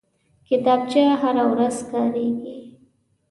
کتابچه هره ورځ کارېږي